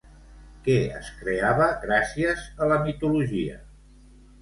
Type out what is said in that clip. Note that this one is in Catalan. Què es creava gràcies a la mitologia?